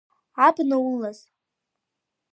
Абна улаз.